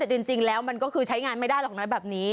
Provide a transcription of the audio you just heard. แต่จริงแล้วมันก็คือใช้งานไม่ได้หรอกน้อยแบบนี้